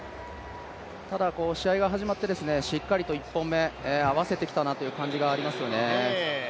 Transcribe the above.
ただ、試合が始まってしっかりと１本目、合わせてきたなという感じがありますね。